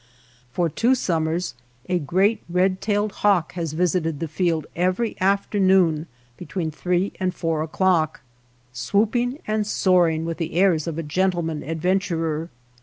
For two summers a great red tailed hawk has visited the field every afternoon between three and four o'clock, swooping jand soaring with the airs of a gentleman adventurer.